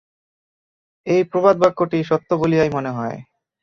এই প্রবাদবাক্যটি সত্য বলিয়াই মনে হয়।